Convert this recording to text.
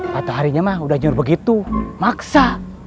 patah harinya mah udah nyuruh begitu maksa